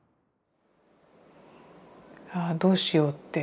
ああどうしようって。